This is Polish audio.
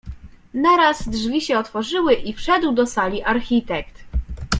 "Naraz drzwi się otworzyły i wszedł do sali architekt."